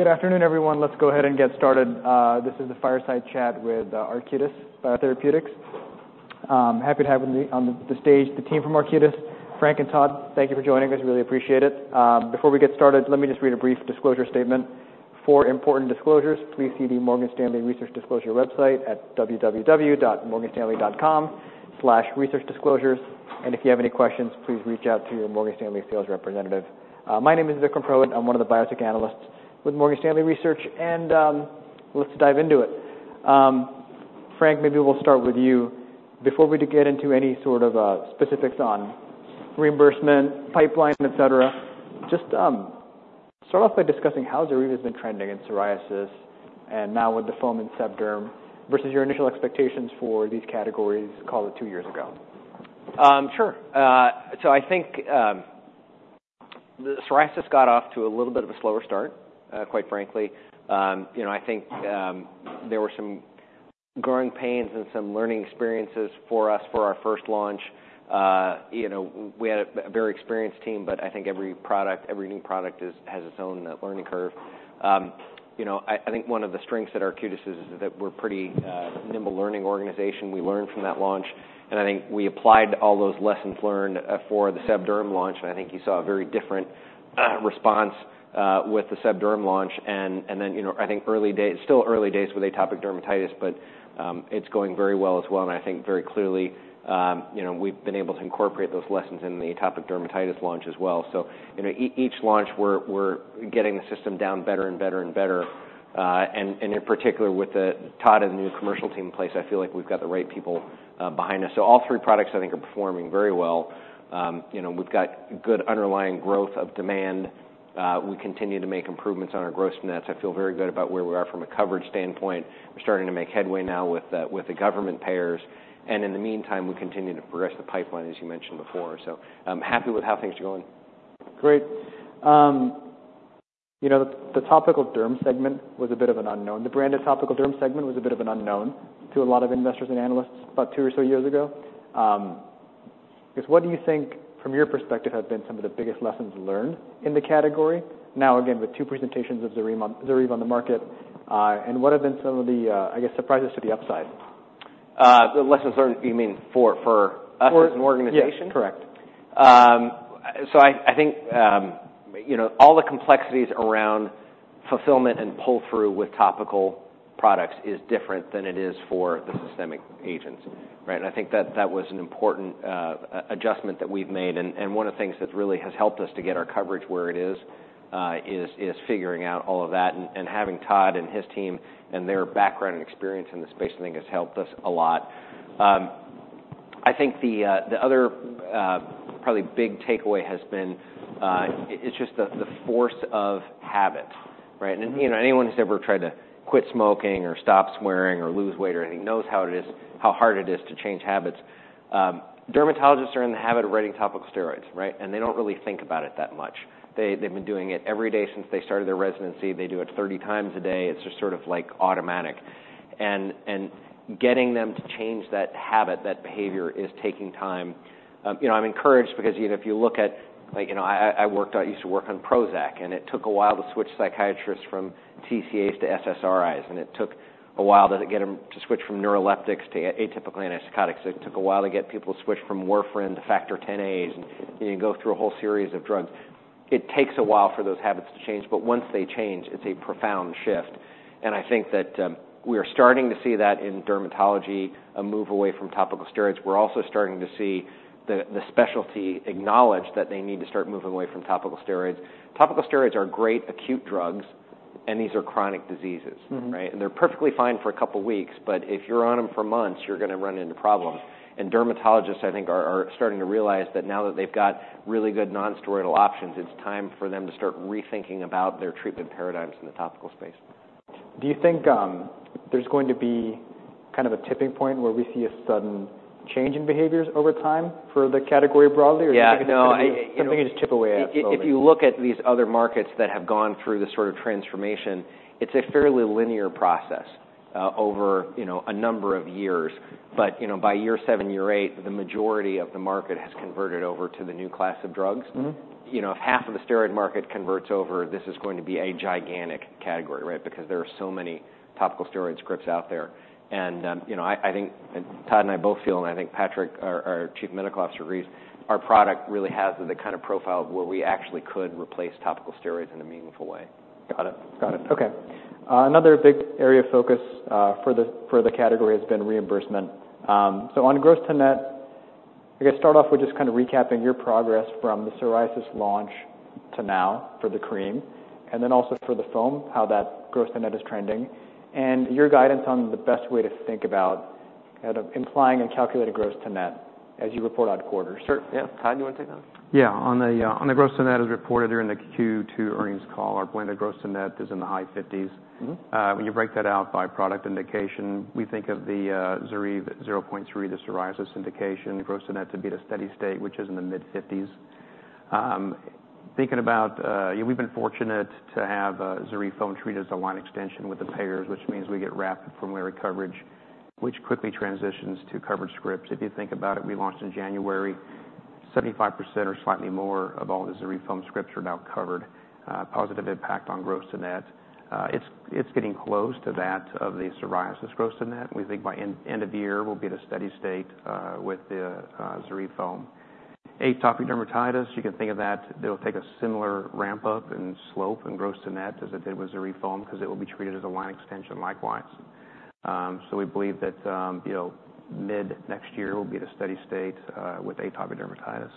Good afternoon, everyone. Let's go ahead and get started. This is the fireside chat with Arcutis Therapeutics. Happy to have with me on the stage the team from Arcutis. Frank and Todd, thank you for joining us. Really appreciate it. Before we get started, let me just read a brief disclosure statement. For important disclosures, please see the Morgan Stanley Research Disclosure website at www.morganstanley.com/researchdisclosures, and if you have any questions, please reach out to your Morgan Stanley sales representative. My name is Vikram Purohit. I'm one of the Biotech Analysts with Morgan Stanley Research, and let's dive into it. Frank, maybe we'll start with you. Before we get into any sort of specifics on reimbursement, pipeline, et cetera, just start off by discussing how ZORYVE has been trending in psoriasis, and now with the foam and seb derm, versus your initial expectations for these categories, call it two years ago. Sure. So I think the psoriasis got off to a little bit of a slower start, quite frankly. You know, I think there were some growing pains and some learning experiences for us for our first launch. You know, we had a very experienced team, but I think every product, every new product has its own learning curve. You know, I think one of the strengths at Arcutis is that we're pretty nimble learning organization. We learned from that launch, and I think we applied all those lessons learned for the seb derm launch, and I think you saw a very different response with the seb derm launch. And then, you know, I think early days. Still early days with atopic dermatitis, but it's going very well as well. And I think very clearly, you know, we've been able to incorporate those lessons in the atopic dermatitis launch as well. So, you know, each launch, we're getting the system down better and better and better. And in particular, with Todd and the new Commercial team in place, I feel like we've got the right people behind us. So all three products, I think, are performing very well. You know, we've got good underlying growth of demand. We continue to make improvements on our gross-to-nets. I feel very good about where we are from a coverage standpoint. We're starting to make headway now with the government payers, and in the meantime, we continue to progress the pipeline, as you mentioned before. So I'm happy with how things are going. Great. You know, the topical derm segment was a bit of an unknown. The branded topical derm segment was a bit of an unknown to a lot of investors and analysts about two or so years ago. I guess, what do you think, from your perspective, have been some of the biggest lessons learned in the category? Now, again, with two presentations of ZORYVE on the market, and what have been some of the, I guess, surprises to the upside? The lessons learned, you mean for us For As an organization? Yeah, correct. So I, I think, you know, all the complexities around fulfillment and pull-through with topical products is different than it is for the systemic agents, right? And I think that that was an important adjustment that we've made. And one of the things that really has helped us to get our coverage where it is, is figuring out all of that. And having Todd and his team and their background and experience in this space, I think, has helped us a lot. I think the other probably big takeaway has been, it's just the force of habit, right? Mm-hmm. You know, anyone who's ever tried to quit smoking or stop swearing or lose weight or anything knows how it is, how hard it is to change habits. Dermatologists are in the habit of writing topical steroids, right? And they don't really think about it that much. They, they've been doing it every day since they started their residency. They do it 30x a day. It's just sort of, like, automatic. And getting them to change that habit, that behavior, is taking time. You know, I'm encouraged because, you know, if you look at. You know, I worked on, I used to work on Prozac, and it took a while to switch psychiatrists from TCAs to SSRIs, and it took a while to get them to switch from neuroleptics to atypical antipsychotics. It took a while to get people to switch from warfarin to Factor Xas, and, you know, go through a whole series of drugs. It takes a while for those habits to change, but once they change, it's a profound shift, and I think that we are starting to see that in dermatology, a move away from topical steroids. We're also starting to see the specialty acknowledge that they need to start moving away from topical steroids. Topical steroids are great acute drugs, and these are chronic diseases. Mm-hmm. Right? And they're perfectly fine for a couple of weeks, but if you're on them for months, you're gonna run into problems. And dermatologists, I think, are starting to realize that now that they've got really good non-steroidal options, it's time for them to start rethinking about their treatment paradigms in the topical space. Do you think, there's going to be kind of a tipping point, where we see a sudden change in behaviors over time for the category broadly? Yeah. No, Something you just chip away at slowly. If you look at these other markets that have gone through this sort of transformation, it's a fairly linear process, over, you know, a number of years. But, you know, by year seven, year eight, the majority of the market has converted over to the new class of drugs. Mm-hmm. You know, if half of the steroid market converts over, this is going to be a gigantic category, right? Because there are so many topical steroid scripts out there, and you know, I think, and Todd and I both feel, and I think Patrick, our Chief Medical Officer, agrees, our product really has the kind of profile where we actually could replace topical steroids in a meaningful way. Got it. Got it. Okay. Another big area of focus for the category has been reimbursement. So on gross-to-net, I guess start off with just kind of recapping your progress from the psoriasis launch to now for the cream, and then also for the foam, how that gross-to-net is trending, and your guidance on the best way to think about kind of implying and calculating gross-to-net as you report out quarters. Sure, yeah. Todd, you wanna take that? Yeah. On the gross-to-net, as reported during the Q2 earnings call, our blended gross-to-net is in the high fifties. Mm-hmm. When you break that out by product indication, we think of the ZORYVE 0.3, the psoriasis indication, gross-to-net to be at a steady state, which is in the mid-50s%. Thinking about, we've been fortunate to have ZORYVE foam treated as a line extension with the payers, which means we get rapid formulary coverage, which quickly transitions to covered scripts. If you think about it, we launched in January. 75% or slightly more of all the ZORYVE foam scripts are now covered, positive impact on gross-to-net. It's getting close to that of the psoriasis gross-to-net. We think by end of the year, we'll be at a steady state with the ZORYVE foam. Atopic dermatitis, you can think of that, it'll take a similar ramp up and slope and gross-to-net as it did with ZORYVE foam, because it will be treated as a line extension likewise. So we believe that, you know, mid-next year will be at a steady state, with atopic dermatitis.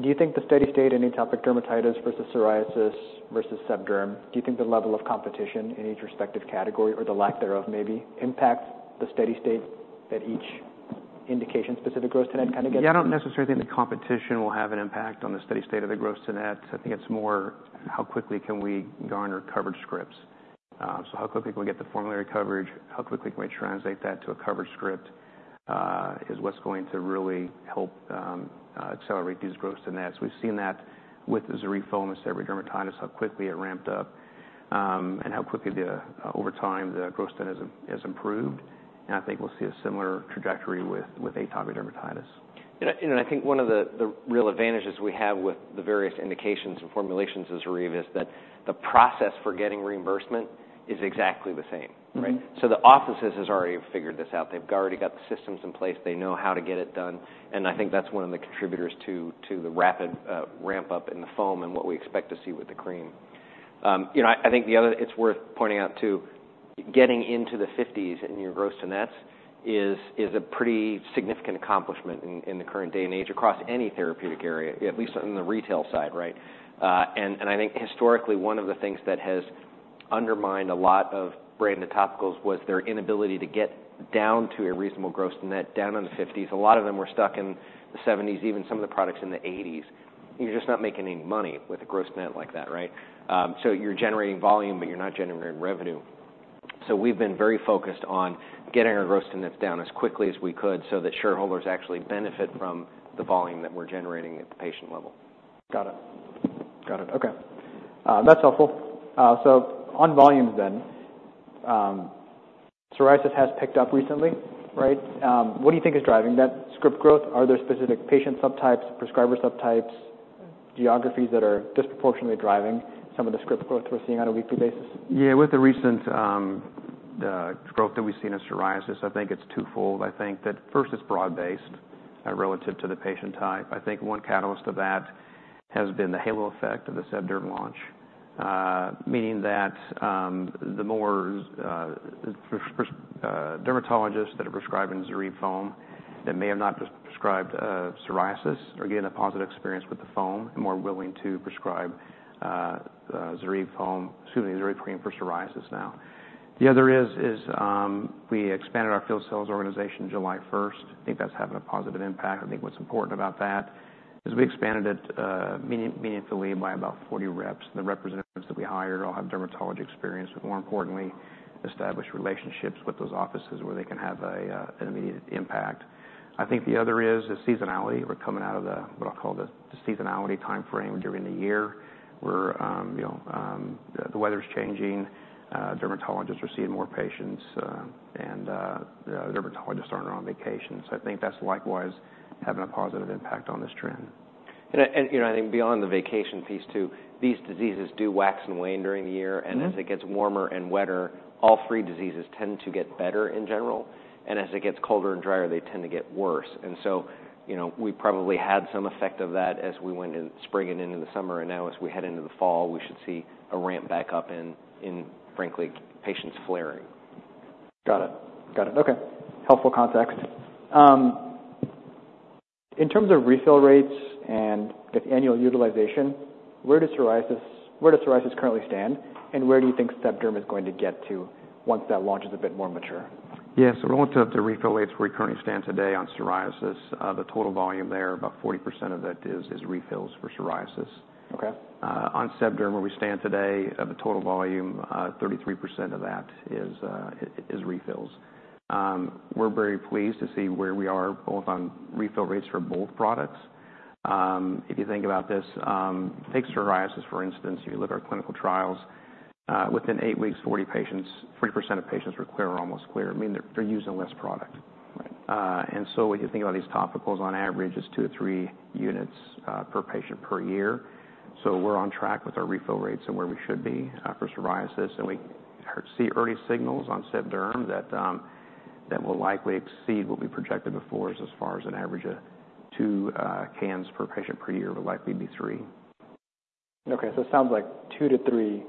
Do you think the steady state in atopic dermatitis versus psoriasis versus seb derm, do you think the level of competition in each respective category or the lack thereof, maybe impact the steady state that each indication-specific gross-to-net kind of gets? Yeah, I don't necessarily think the competition will have an impact on the steady state of the gross-to-net. I think it's more how quickly can we garner covered scripts. So how quickly can we get the formulary coverage? How quickly can we translate that to a covered script is what's going to really help accelerate these gross-to-nets. We've seen that with the ZORYVE foam and seborrheic dermatitis, how quickly it ramped up, and how quickly, over time, the gross-to-net has improved, and I think we'll see a similar trajectory with atopic dermatitis. I think one of the real advantages we have with the various indications and formulations of ZORYVE is that the process for getting reimbursement is exactly the same, right? Mm-hmm. The offices has already figured this out. They've already got the systems in place. They know how to get it done, and I think that's one of the contributors to the rapid ramp up in the foam and what we expect to see with the cream. You know, I think the other. It's worth pointing out, too, getting into the fifties in your gross-to-net is a pretty significant accomplishment in the current day and age across any therapeutic area, at least on the retail side, right? And I think historically, one of the things that has undermined a lot of brand and topicals was their inability to get down to a reasonable gross-to-net, down in the fifties. A lot of them were stuck in the seventies, even some of the products in the eighties. You're just not making any money with a gross-to-net like that, right? So you're generating volume, but you're not generating revenue. So we've been very focused on getting our gross-to-nets down as quickly as we could, so that shareholders actually benefit from the volume that we're generating at the patient level. Got it. Got it. Okay, that's helpful. So on volumes then, psoriasis has picked up recently, right? What do you think is driving that script growth? Are there specific patient subtypes, prescriber subtypes, geographies that are disproportionately driving some of the script growth we're seeing on a weekly basis? Yeah, with the recent growth that we've seen in psoriasis, I think it's twofold. I think that first, it's broad-based relative to the patient type. I think one catalyst of that has been the halo effect of the seb derm launch. Meaning that the more dermatologists that are prescribing ZORYVE foam, that may have not prescribed psoriasis, are getting a positive experience with the foam, and more willing to prescribe ZORYVE foam, excuse me, ZORYVE cream for psoriasis now. The other is we expanded our field sales organization July first. I think that's having a positive impact. I think what's important about that, is we expanded it meaningfully by about forty reps. The representatives that we hired all have dermatology experience, but more importantly, established relationships with those offices where they can have an immediate impact. I think the other is, the seasonality. We're coming out of the, what I'll call the, the seasonality timeframe during the year, where, you know, the weather's changing, dermatologists are seeing more patients, and, the dermatologists aren't on vacation. So I think that's likewise having a positive impact on this trend. You know, I think beyond the vacation piece, too, these diseases do wax and wane during the year. Mm-hmm. And as it gets warmer and wetter, all three diseases tend to get better in general, and as it gets colder and drier, they tend to get worse. And so, you know, we probably had some effect of that as we went in spring and into the summer, and now as we head into the fall, we should see a ramp back up in frankly, patients flaring. Got it. Okay. Helpful context. In terms of refill rates and the annual utilization, where does psoriasis currently stand, and where do you think seb derm is going to get to once that launch is a bit more mature? Yeah, so in regard to the refill rates where we currently stand today on psoriasis, the total volume there, about 40% of it is refills for psoriasis. Okay. On seb derm, where we stand today, of the total volume, 33% of that is refills. We're very pleased to see where we are, both on refill rates for both products. If you think about this, take psoriasis for instance. You look at our clinical trials. Within eight weeks, 40% of patients were clear or almost clear. I mean, they're using less product. Right. And so if you think about these topicals, on average, it's two to three units per patient per year. So we're on track with our refill rates and where we should be for psoriasis, and we see early signals on seb derm that that will likely exceed what we projected before as, as far as an average of two cans per patient per year, would likely be three. Okay, so it sounds like two to three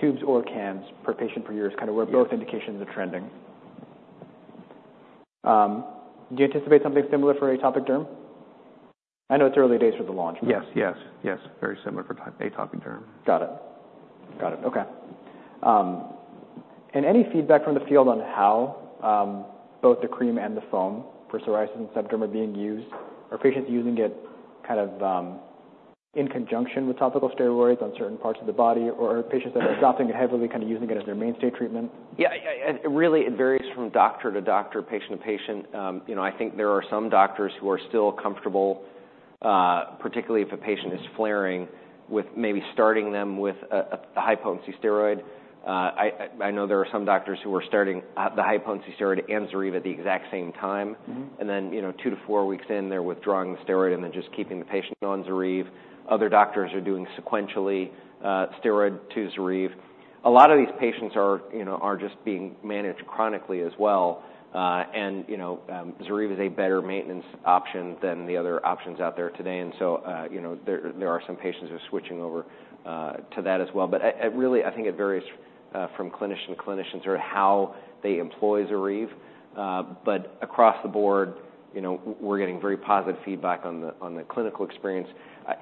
tubes or cans per patient per year is kind of Where both indications are trending. Do you anticipate something similar for atopic derm? I know it's early days for the launch. Yes, yes, yes, very similar for atopic derm. Got it. Got it. Okay. And any feedback from the field on how both the cream and the foam for psoriasis and seb derm are being used? Are patients using it kind of in conjunction with topical steroids on certain parts of the body, or are patients that are adopting it heavily, kind of using it as their mainstay treatment? Yeah, it really varies from doctor to doctor, patient to patient. You know, I think there are some doctors who are still comfortable, particularly if a patient is flaring, with maybe starting them with a high-potency steroid. I know there are some doctors who are starting the high-potency steroid and ZORYVE at the exact same time. Mm-hmm. And then, you know, two to four weeks in, they're withdrawing the steroid and then just keeping the patient on ZORYVE. Other doctors are doing sequentially, steroid to ZORYVE. A lot of these patients are, you know, are just being managed chronically as well. And, you know, ZORYVE is a better maintenance option than the other options out there today. And so, you know, there are some patients who are switching over to that as well. But I really think it varies from clinician to clinician, sort of how they employ ZORYVE. But across the board, you know, we're getting very positive feedback on the clinical experience.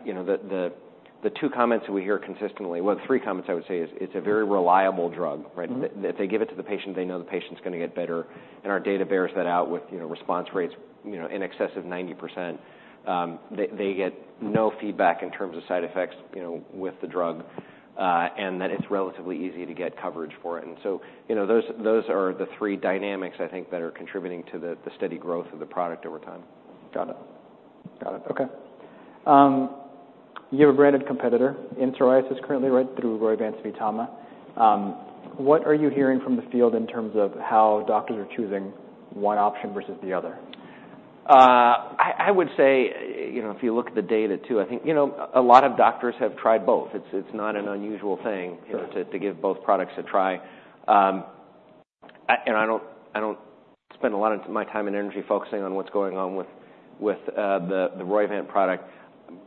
You know, the two comments we hear consistently, well, three comments I would say, is it's a very reliable drug, right? Mm-hmm. If they give it to the patient, they know the patient's gonna get better, and our data bears that out with, you know, response rates, you know, in excess of 90%. They get no feedback in terms of side effects, you know, with the drug, and that it's relatively easy to get coverage for it. You know, those are the three dynamics I think that are contributing to the steady growth of the product over time. Got it. Got it. Okay. You have a branded competitor in psoriasis currently, right, through Roivant's VTAMA. What are you hearing from the field in terms of how doctors are choosing one option versus the other? I would say, you know, if you look at the data, too, I think, you know, a lot of doctors have tried both. It's not an unusual thing. Sure To give both products a try. I don't spend a lot of my time and energy focusing on what's going on with the Roivant product.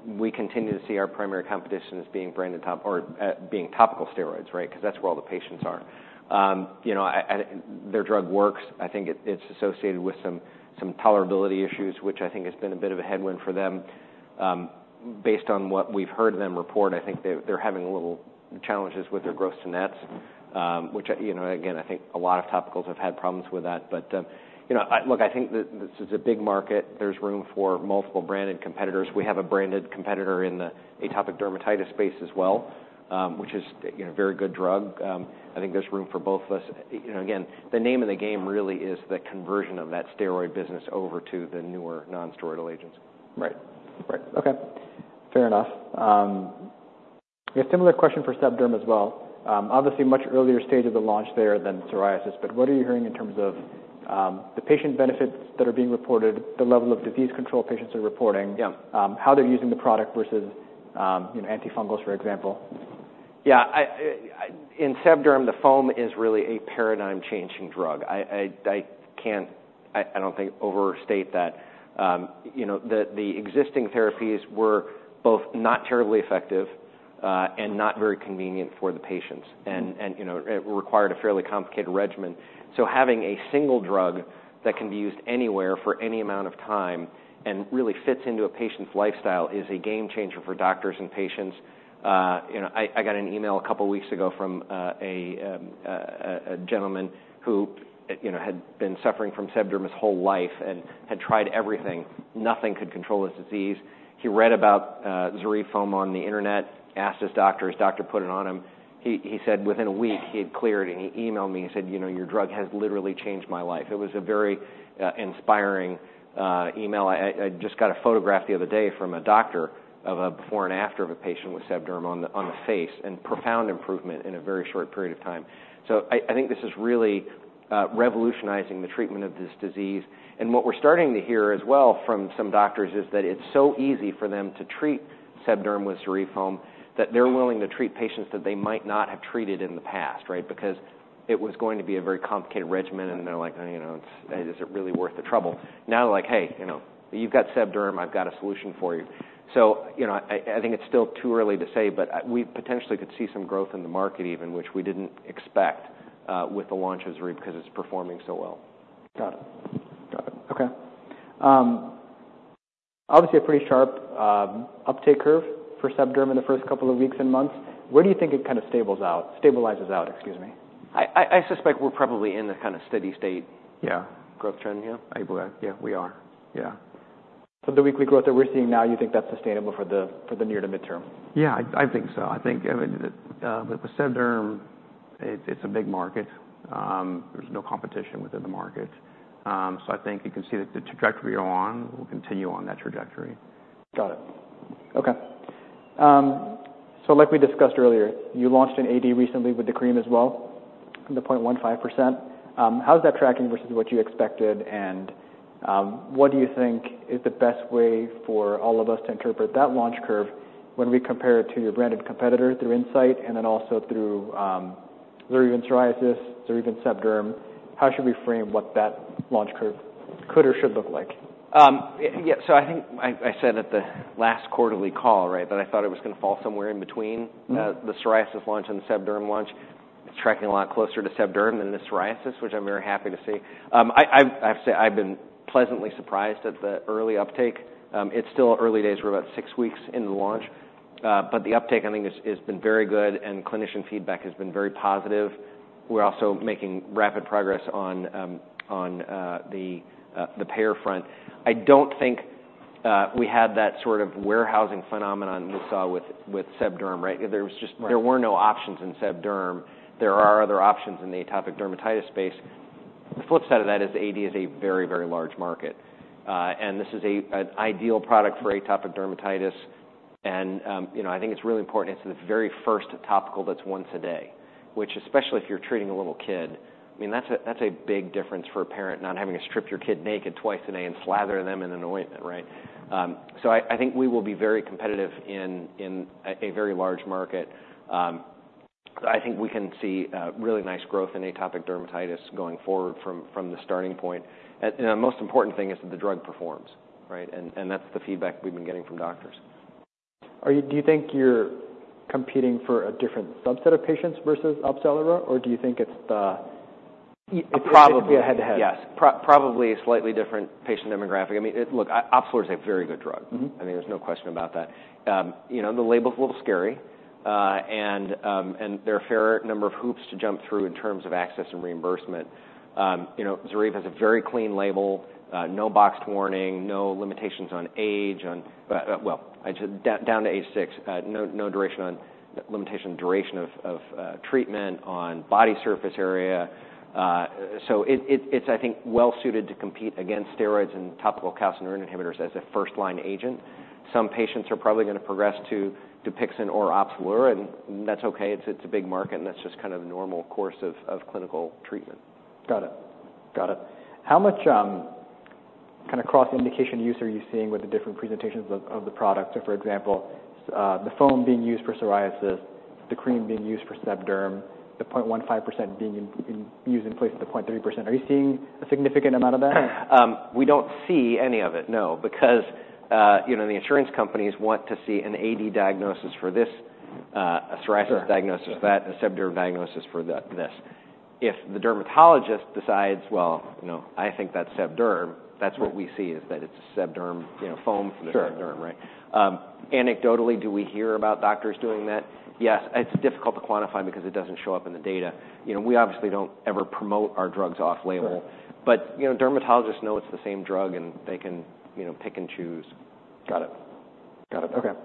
We continue to see our primary competition as being branded top or being topical steroids, right? Because that's where all the patients are. You know, their drug works. I think it's associated with some tolerability issues, which I think has been a bit of a headwind for them. Based on what we've heard them report, I think they're having a little challenges with their gross-to-nets, which, you know, again, I think a lot of topicals have had problems with that. But you know, look, I think this is a big market. There's room for multiple branded competitors. We have a branded competitor in the atopic dermatitis space as well, which is, you know, a very good drug. I think there's room for both of us. You know, again, the name of the game really is the conversion of that steroid business over to the newer non-steroidal agents. Right. Right. Okay, fair enough. A similar question for seb derm as well. Obviously, a much earlier stage of the launch there than psoriasis, but what are you hearing in terms of the patient benefits that are being reported, the level of disease control patients are reporting? Yeah. How they're using the product versus, you know, antifungals, for example? Yeah, in seb derm, the foam is really a paradigm-changing drug. I can't I don't think overstate that. You know, the existing therapies were both not terribly effective, and not very convenient for the patients. Mm-hmm And you know, it required a fairly complicated regimen. So having a single drug that can be used anywhere for any amount of time and really fits into a patient's lifestyle, is a game changer for doctors and patients. You know, I got an email a couple of weeks ago from a gentleman who you know, had been suffering from seb derm his whole life and had tried everything. Nothing could control his disease. He read about ZORYVE foam on the internet, asked his doctor, his doctor put it on him. He said within a week, he had cleared, and he emailed me and said, "You know, your drug has literally changed my life." It was a very inspiring email. I just got a photograph the other day from a doctor of a before and after of a patient with seb derm on the face, and profound improvement in a very short period of time. So I think this is really revolutionizing the treatment of this disease, and what we're starting to hear as well from some doctors is that it's so easy for them to treat seb derm with ZORYVE foam, that they're willing to treat patients that they might not have treated in the past, right? Because it was going to be a very complicated regimen, and they're like, "You know, is it really worth the trouble?" Now, they're like, "Hey, you know, you've got seb derm, I've got a solution for you." So, you know, I think it's still too early to say, but we potentially could see some growth in the market even, which we didn't expect, with the launch of ZORYVE, because it's performing so well. Got it. Got it. Okay. Obviously, a pretty sharp uptake curve for seb derm in the first couple of weeks and months. Where do you think it kind of stables out - stabilizes out? Excuse me. I suspect we're probably in the kind of steady state... Yeah Growth trend here. I believe, yeah, we are. Yeah. So the weekly growth that we're seeing now, you think that's sustainable for the, for the near to midterm? Yeah, I think so. I think, I mean, with the seb derm, it's a big market. There's no competition within the market. So I think you can see that the trajectory we're on will continue on that trajectory. Got it. Okay. So like we discussed earlier, you launched in AD recently with the cream as well, the 0.15%. How's that tracking versus what you expected? And, what do you think is the best way for all of us to interpret that launch curve when we compare it to your branded competitor through Incyte and then also through, through even psoriasis, through even seb derm, how should we frame what that launch curve could or should look like? Yeah, so I think I said at the last quarterly call, right? That I thought it was gonna fall somewhere in between- Mm-hmm The psoriasis launch and the seb derm launch. It's tracking a lot closer to seb derm than the psoriasis, which I'm very happy to see. I have to say, I've been pleasantly surprised at the early uptake. It's still early days. We're about six weeks into the launch, but the uptake, I think, has been very good, and clinician feedback has been very positive. We're also making rapid progress on the payer front. I don't think we had that sort of warehousing phenomenon we saw with seb derm, right? There was just- Right There were no options in seb derm. There are other options in the atopic dermatitis space. The flip side of that is the AD is a very, very large market. And this is an ideal product for atopic dermatitis. And, you know, I think it's really important, it's the very first topical that's once a day, which especially if you're treating a little kid, I mean, that's a big difference for a parent, not having to strip your kid naked twice a day and slather them in an ointment, right? So I think we will be very competitive in a very large market. I think we can see really nice growth in atopic dermatitis going forward from the starting point. And the most important thing is that the drug performs, right? And that's the feedback we've been getting from doctors. Do you think you're competing for a different subset of patients versus OPZELURA, or do you think it's the- Probably. It's head-to-head. Yes. Probably a slightly different patient demographic. I mean, it... Look, OPZELURA is a very good drug. Mm-hmm. I mean, there's no question about that. You know, the label's a little scary. And there are a fair number of hoops to jump through in terms of access and reimbursement. You know, ZORYVE has a very clean label, no boxed warning, no limitations on age, on well, I'd say down to age six, no limitation on duration of treatment, on body surface area. So it's, I think, well suited to compete against steroids and topical calcineurin inhibitors as a first-line agent. Some patients are probably gonna progress to Dupixent or OPZELURA, and that's okay. It's a big market, and that's just kind of normal course of clinical treatment. Got it. Got it. How much kind of cross-indication use are you seeing with the different presentations of, of the product? So for example, the foam being used for psoriasis, the cream being used for seb derm, the 0.15% being in use in place of the 0.3%. Are you seeing a significant amount of that? We don't see any of it, no. Because, you know, the insurance companies want to see an AD diagnosis for this, a psoriasis diagnosis- Sure. for that, and a seb derm diagnosis for the, this. If the dermatologist decides, "Well, you know, I think that's seb derm," that's what we see, is that it's a seb derm, you know, foam- Sure. For the seb derm, right? Anecdotally, do we hear about doctors doing that? Yes. It's difficult to quantify because it doesn't show up in the data. You know, we obviously don't ever promote our drugs off-label. Sure. But, you know, dermatologists know it's the same drug, and they can, you know, pick and choose. Got it. Got it. Okay.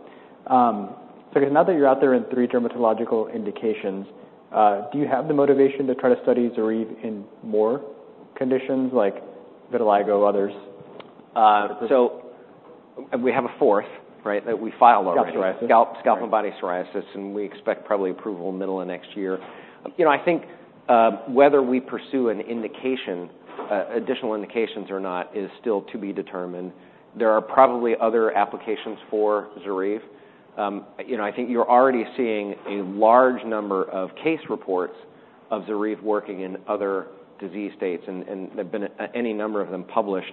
So now that you're out there in three dermatological indications, do you have the motivation to try to study ZORYVE in more conditions like vitiligo, others? And we have a fourth, right, that we filed already. Scalp psoriasis. Scalp and body psoriasis, and we expect probably approval in the middle of next year. You know, I think whether we pursue an indication, additional indications or not, is still to be determined. There are probably other applications for ZORYVE. You know, I think you're already seeing a large number of case reports of ZORYVE working in other disease states, and there've been any number of them published,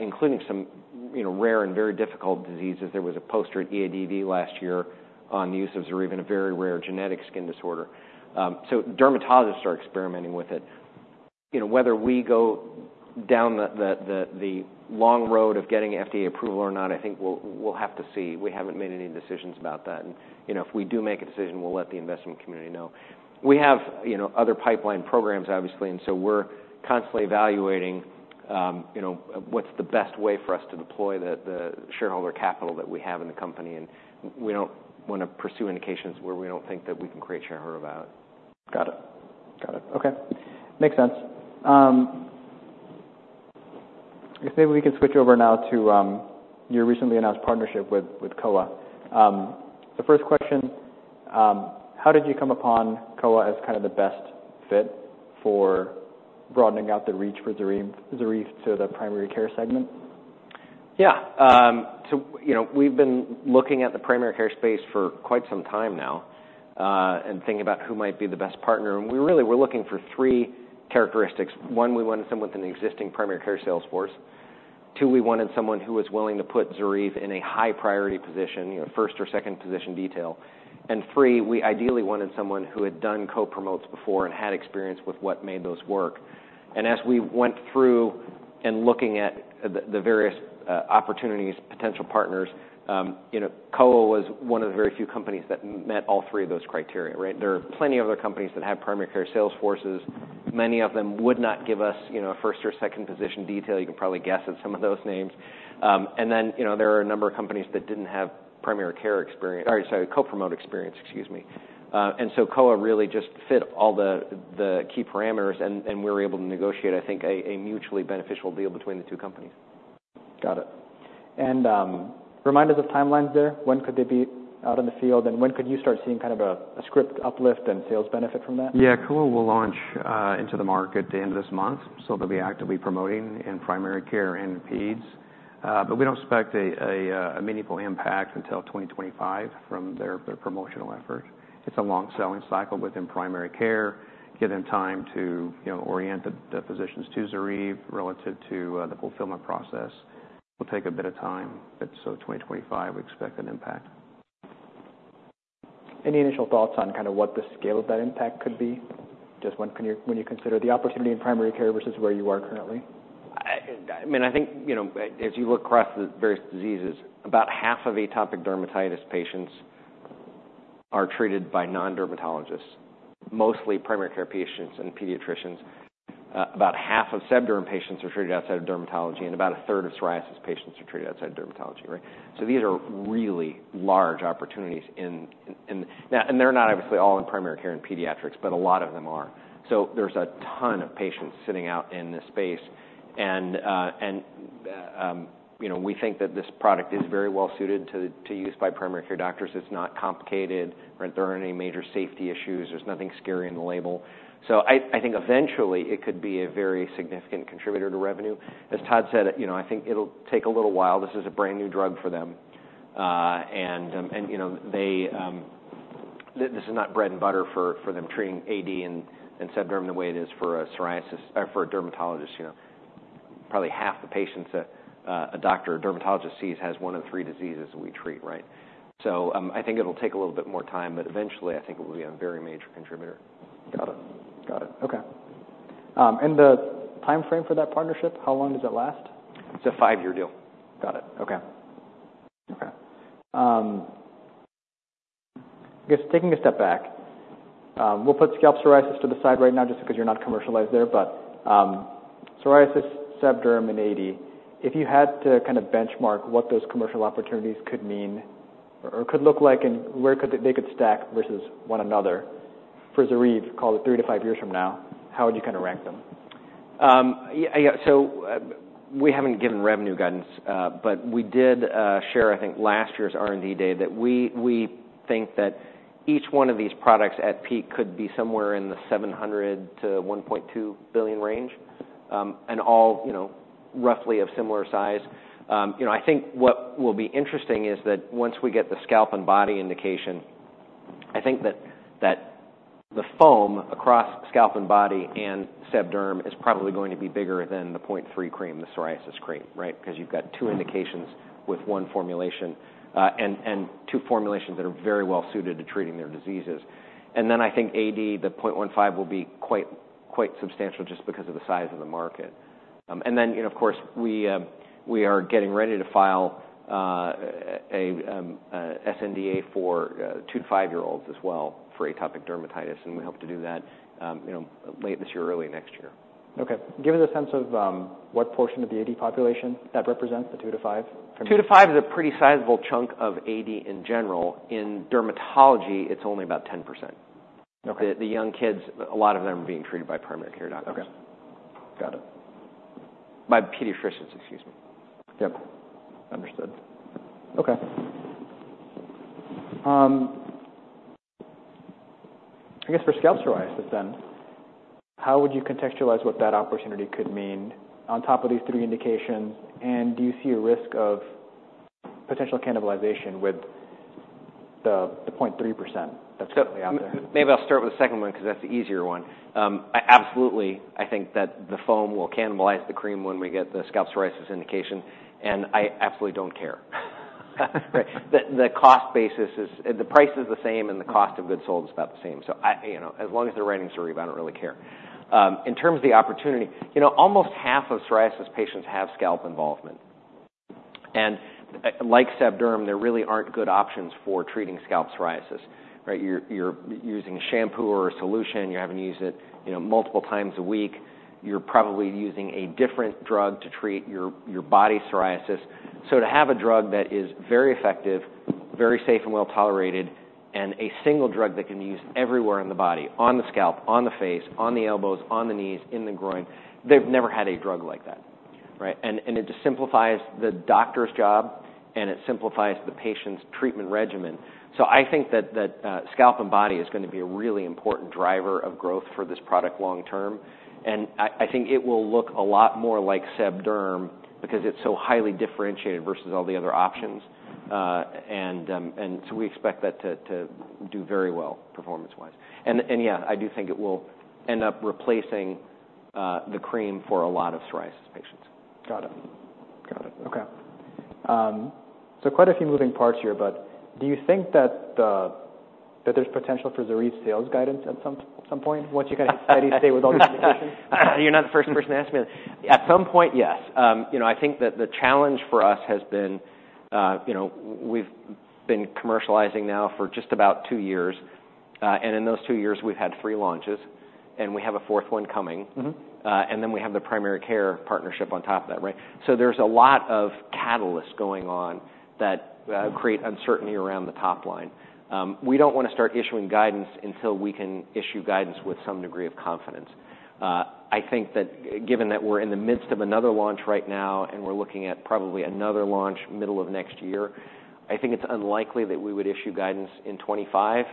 including some, you know, rare and very difficult diseases. There was a poster at EADV last year on the use of ZORYVE in a very rare genetic skin disorder. So dermatologists are experimenting with it. You know, whether we go down the long road of getting FDA approval or not, I think we'll have to see. We haven't made any decisions about that. You know, if we do make a decision, we'll let the investment community know. We have, you know, other pipeline programs, obviously, and so we're constantly evaluating, you know, what's the best way for us to deploy the shareholder capital that we have in the company, and we don't want to pursue indications where we don't think that we can create shareholder value. Got it. Okay. Makes sense. If maybe we could switch over now to your recently announced partnership with Kowa. The first question: how did you come upon Kowa as kind of the best fit for broadening out the reach for ZORYVE to the primary care segment? Yeah. So, you know, we've been looking at the primary care space for quite some time now, and thinking about who might be the best partner, and we really were looking for three characteristics. One, we wanted someone with an existing primary care sales force. Two, we wanted someone who was willing to put ZORYVE in a high-priority position, you know, first or second-position detail. And three, we ideally wanted someone who had done co-promotes before and had experience with what made those work. And as we went through and looking at the various opportunities, potential partners, you know, Kowa was one of the very few companies that met all three of those criteria, right? There are plenty of other companies that have primary care sales forces. Many of them would not give us, you know, a first or second-position detail. You can probably guess at some of those names. And then, you know, there are a number of companies that didn't have primary care experience, or sorry, co-promote experience, excuse me. And so Kowa really just fit all the key parameters, and we were able to negotiate, I think, a mutually beneficial deal between the two companies. Got it. And remind us of timelines there. When could they be out in the field, and when could you start seeing kind of a script uplift and sales benefit from that? Yeah. Kowa will launch into the market at the end of this month, so they'll be actively promoting in primary care and peds. But we don't expect a meaningful impact until 2025 from their promotional effort. It's a long selling cycle within primary care, giving time to, you know, orient the physicians to ZORYVE relative to the fulfillment process. It will take a bit of time, but so 2025, we expect an impact. Any initial thoughts on kind of what the scale of that impact could be, just when you consider the opportunity in primary care versus where you are currently? I mean, I think, you know, as you look across the various diseases, about half of atopic dermatitis patients are treated by non-dermatologists, mostly primary care patients and pediatricians. About half of seb derm patients are treated outside of dermatology, and about a third of psoriasis patients are treated outside of dermatology, right? So these are really large opportunities in, and they're not obviously all in primary care and pediatrics, but a lot of them are. So there's a ton of patients sitting out in this space, and, you know, we think that this product is very well suited to use by primary care doctors. It's not complicated, right? There aren't any major safety issues. There's nothing scary in the label. So I think eventually, it could be a very significant contributor to revenue. As Todd said, you know, I think it'll take a little while. This is a brand-new drug for them. You know, they, this is not bread and butter for them treating AD and seb derm the way it is for psoriasis, or for a dermatologist, you know. Probably half the patients that a doctor or dermatologist sees has one of three diseases that we treat, right? So, I think it'll take a little bit more time, but eventually, I think it will be a very major contributor. Got it. Got it. Okay, and the timeframe for that partnership, how long does that last? It's a five-year deal. Got it. Okay. Okay, I guess taking a step back, we'll put scalp psoriasis to the side right now, just because you're not commercialized there. But, psoriasis, seb derm, and AD, if you had to kind of benchmark what those commercial opportunities could mean or could look like, and where could they stack versus one another for ZORYVE, call it three to five years from now, how would you kind of rank them? Yeah, so we haven't given revenue guidance, but we did share, I think, last year's R&D day, that we think that each one of these products at peak could be somewhere in the $700 million to $1.2 billion range, and all, you know, roughly of similar size. You know, I think what will be interesting is that once we get the scalp and body indication, I think that the foam across scalp and body and seb derm is probably going to be bigger than the 0.3% cream, the psoriasis cream, right? Because you've got two indications with one formulation, and two formulations that are very well suited to treating their diseases, and then I think AD, the 0.15% will be quite substantial just because of the size of the market. And then, you know, of course, we are getting ready to file a sNDA for two to five-year-olds as well, for atopic dermatitis, and we hope to do that, you know, late this year, early next year. Okay. Give us a sense of what portion of the AD population that represents, the two to five? Two to five is a pretty sizable chunk of AD in general. In dermatology, it's only about 10%. Okay. The young kids, a lot of them are being treated by primary care doctors. Okay. Got it. By pediatricians, excuse me. Yep, understood. Okay. I guess for scalp psoriasis then, how would you contextualize what that opportunity could mean on top of these three indications? And do you see a risk of potential cannibalization with the 0.3% that's currently out there? Maybe I'll start with the second one, because that's the easier one. I absolutely, I think that the foam will cannibalize the cream when we get the scalp psoriasis indication, and I absolutely don't care. The cost basis is... The price is the same, and the cost of goods sold is about the same. So I, you know, as long as they're writing ZORYVE, I don't really care. In terms of the opportunity, you know, almost half of psoriasis patients have scalp involvement. And, like seb derm, there really aren't good options for treating scalp psoriasis, right? You're using shampoo or a solution. You're having to use it, you know, multiple times a week. You're probably using a different drug to treat your body psoriasis. So to have a drug that is very effective, very safe and well-tolerated, and a single drug that can be used everywhere in the body, on the scalp, on the face, on the elbows, on the knees, in the groin, they've never had a drug like that, right? And it just simplifies the doctor's job, and it simplifies the patient's treatment regimen. So I think that scalp and body is going to be a really important driver of growth for this product long term. And I think it will look a lot more like seb derm because it's so highly differentiated versus all the other options. And so we expect that to do very well, performance-wise. And yeah, I do think it will end up replacing the cream for a lot of psoriasis patients. Got it. Got it. Okay. So quite a few moving parts here, but do you think that that there's potential for ZORYVE sales guidance at some point, once you kind of have steady state with all these indications? You're not the first person to ask me that. At some point, yes. You know, I think that the challenge for us has been, you know, we've been commercializing now for just about two years, and in those two years we've had three launches, and we have a fourth one coming. Mm-hmm. And then we have the primary care partnership on top of that, right? So there's a lot of catalysts going on that create uncertainty around the top line. We don't want to start issuing guidance until we can issue guidance with some degree of confidence. I think that given that we're in the midst of another launch right now, and we're looking at probably another launch middle of next year, I think it's unlikely that we would issue guidance in 2025.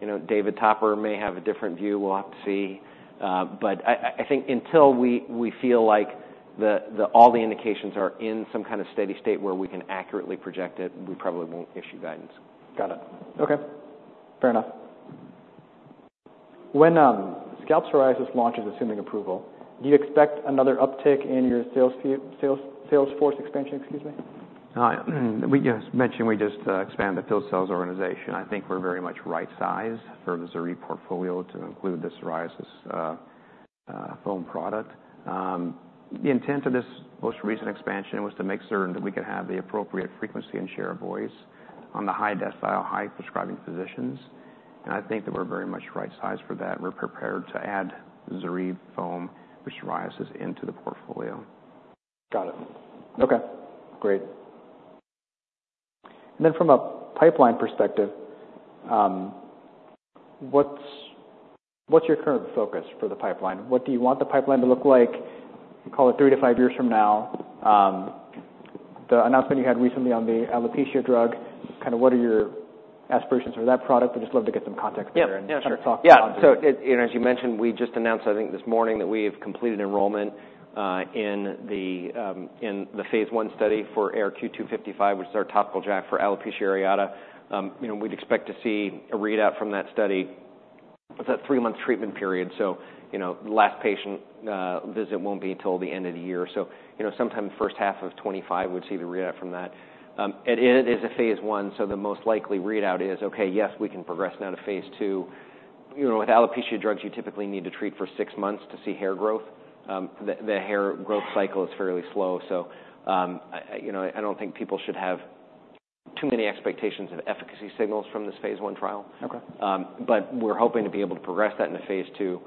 You know, David Topper may have a different view. We'll have to see. But I think until we feel like all the indications are in some kind of steady state where we can accurately project it, we probably won't issue guidance. Got it. Okay, fair enough. When scalp psoriasis launches, assuming approval, do you expect another uptick in your sales team, sales force expansion, excuse me? We just mentioned we expanded the field sales organization. I think we're very much right sized for the ZORYVE portfolio to include the psoriasis foam product. The intent of this most recent expansion was to make certain that we could have the appropriate frequency and share of voice on the high decile, high prescribing physicians, and I think that we're very much right sized for that, and we're prepared to add ZORYVE foam for psoriasis into the portfolio. Got it. Okay, great. And then from a pipeline perspective, what's your current focus for the pipeline? What do you want the pipeline to look like, call it three to five years from now? The announcement you had recently on the alopecia drug, kind of what are your aspirations for that product? I'd just love to get some context there. Yeah. and kind of talk about it. Yeah. So, as you know, as you mentioned, we just announced, I think, this morning, that we have completed enrollment in the phase I study for ARQ-255, which is our topical JAK for alopecia areata. You know, we'd expect to see a readout from that study. It's a three-month treatment period, so you know, the last patient visit won't be till the end of the year. So you know, sometime in the first half of 2025, we'd see the readout from that. And it is a phase I, so the most likely readout is, okay, yes, we can progress now to phase II. You know, with alopecia drugs, you typically need to treat for six months to see hair growth. The hair growth cycle is fairly slow, so, you know, I don't think people should have too many expectations of efficacy signals from this phase I trial. Okay. But we're hoping to be able to progress that into phase II.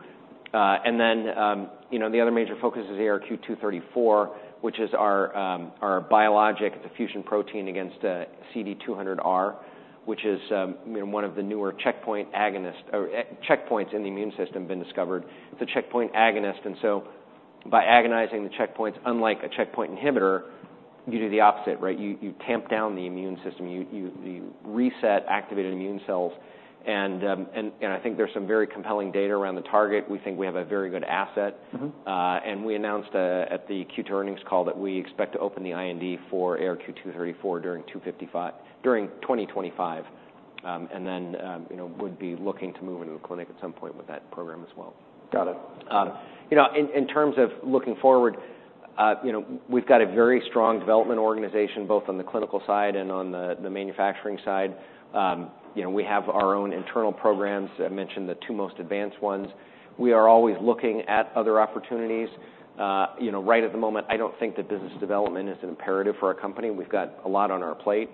And then, you know, the other major focus is ARQ-234, which is our biologic. It's a fusion protein against CD200R, which is, you know, one of the newer checkpoint agonist or checkpoints in the immune system, been discovered. It's a checkpoint agonist, and so by agonizing the checkpoints, unlike a checkpoint inhibitor, you do the opposite, right? You tamp down the immune system, you reset activated immune cells. And I think there's some very compelling data around the target. We think we have a very good asset. Mm-hmm. and we announced at the Q2 earnings call that we expect to open the IND for ARQ-234 during twenty twenty-five. And then, you know, would be looking to move into the clinic at some point with that program as well. Got it. You know, in terms of looking forward, you know, we've got a very strong development organization, both on the clinical side and on the manufacturing side. You know, we have our own internal programs. I mentioned the two most advanced ones. We are always looking at other opportunities. You know, right at the moment, I don't think that business development is imperative for our company. We've got a lot on our plate.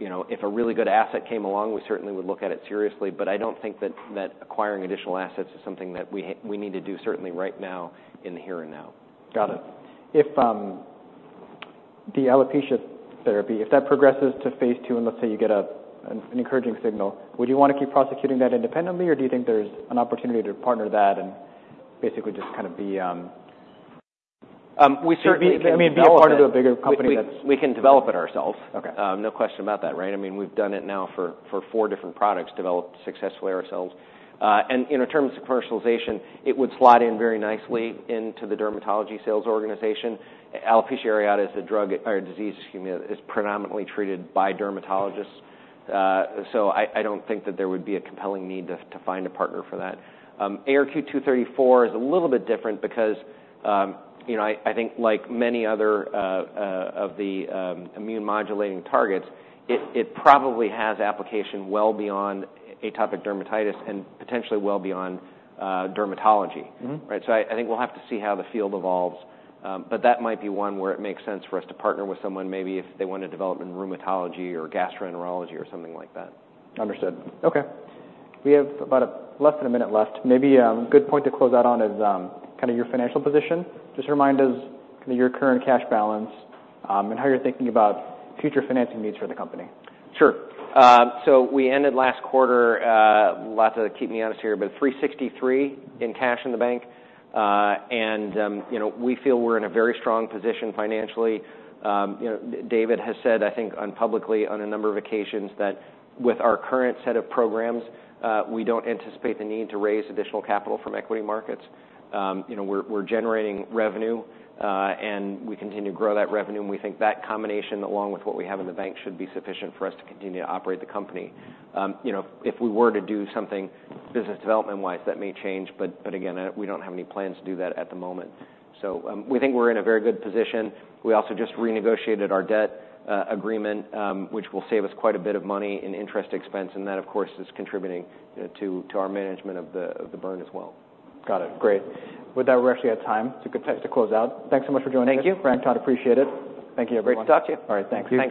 You know, if a really good asset came along, we certainly would look at it seriously, but I don't think that acquiring additional assets is something that we need to do, certainly right now, in the here and now. Got it. If the alopecia therapy, if that progresses to phase II, and let's say you get an encouraging signal, would you want to keep prosecuting that independently, or do you think there's an opportunity to partner that and basically just kind of be- We certainly- I mean, be a part of a bigger company that's- We can develop it ourselves. Okay. No question about that, right? I mean, we've done it now for four different products, developed successfully ourselves, and, you know, in terms of commercialization, it would slot in very nicely into the dermatology sales organization. Alopecia areata is a drug or a disease, excuse me, is predominantly treated by dermatologists, so I don't think that there would be a compelling need to find a partner for that. ARQ-234 is a little bit different because, you know, I think, like many other of the immune-modulating targets, it probably has application well beyond atopic dermatitis and potentially well beyond dermatology. Mm-hmm. Right. So I think we'll have to see how the field evolves, but that might be one where it makes sense for us to partner with someone, maybe if they want to develop in rheumatology or gastroenterology or something like that. Understood. Okay. We have about less than a minute left. Maybe a good point to close out on is kind of your financial position. Just remind us kind of your current cash balance and how you're thinking about future financing needs for the company. Sure. So we ended last quarter, Todd's to keep me honest here, but $363 million in cash in the bank. And, you know, we feel we're in a very strong position financially. You know, David has said, I think, publicly, on a number of occasions, that with our current set of programs, we don't anticipate the need to raise additional capital from equity markets. You know, we're generating revenue, and we continue to grow that revenue, and we think that combination, along with what we have in the bank, should be sufficient for us to continue to operate the company. You know, if we were to do something business development-wise, that may change, but again, we don't have any plans to do that at the moment. So, we think we're in a very good position. We also just renegotiated our debt agreement, which will save us quite a bit of money in interest expense, and that, of course, is contributing to our management of the burn as well. Got it. Great. With that, we're actually out of time, so good time to close out. Thanks so much for joining us. Thank you. Frank, Todd, appreciate it. Thank you, everyone. Great to talk to you. All right. Thank you. Thank you.